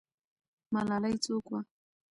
ملالۍ څوک وه؟